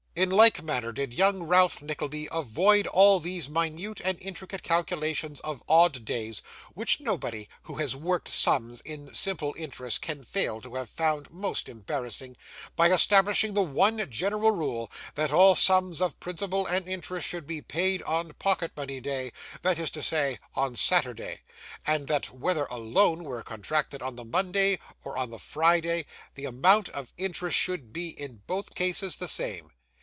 In like manner, did young Ralph Nickleby avoid all those minute and intricate calculations of odd days, which nobody who has worked sums in simple interest can fail to have found most embarrassing, by establishing the one general rule that all sums of principal and interest should be paid on pocket money day, that is to say, on Saturday: and that whether a loan were contracted on the Monday, or on the Friday, the amount of interest should be, in both cases, the same.